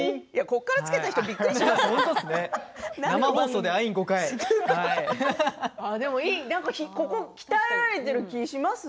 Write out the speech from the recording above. ここからつけた人びっくりします。